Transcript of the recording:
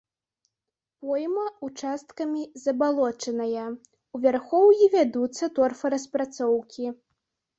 Пойма ўчасткамі забалочаная, у вярхоўі вядуцца торфараспрацоўкі.